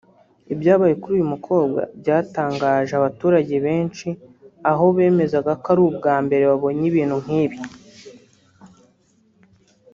Ibyabaye kuri uyu mukobwa byatangaje abaturage benshi aho bemezaga ko ari ubwa mbere babonye ibintu nk’ibi